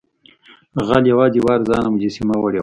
غل یوازې یوه ارزانه مجسمه وړې وه.